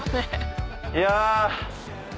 いや。